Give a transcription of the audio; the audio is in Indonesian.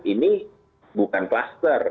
ini bukan kluster